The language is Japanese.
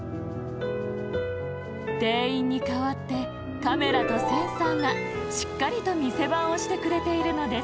店員にかわってカメラとセンサーがしっかりと店番をしてくれているのです。